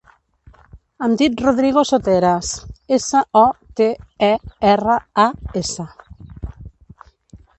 Em dic Rodrigo Soteras: essa, o, te, e, erra, a, essa.